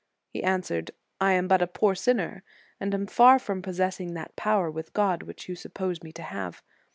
He answered, I am but a poor sinner, and am far from possessing that power with God which you suppose me to have.